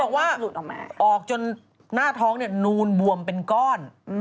บอกว่าออกจนหน้าท้องนูนบวมเป็นก้อน